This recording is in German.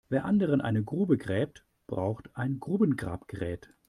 Wer anderen eine Grube gräbt, braucht ein Grubengrabgerät.